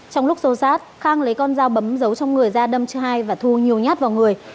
trong lúc xô sát khang lấy con dao bấm giấu trong người ra đâm hai và thu nhiều nhát vào người